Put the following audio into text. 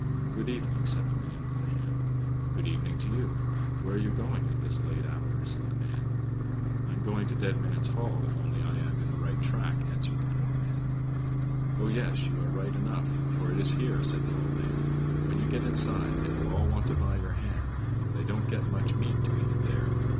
"Good evening," said the man with the ham. "Good evening to you. Where are you going at this late hour?" said the man. "I am going to Dead Man's Hall, if only I am in the right track," answered the poor man. "Oh, yes, you are right enough, for it is here," said the old man. "When you get inside they will all want to buy your ham, for they don't get much meat to eat there.